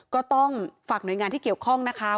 ก็ต้องฝากหน่วยงานที่เกี่ยวข้องนะคะ